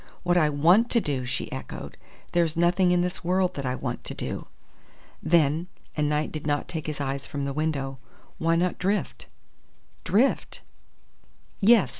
"What I want to do!" she echoed. "There's nothing in this world that I want to do." "Then" and Knight did not take his eyes from the window "why not drift?" "Drift?" "Yes.